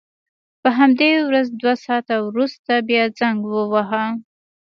په همدې ورځ دوه ساعته وروسته بیا زنګ وواهه.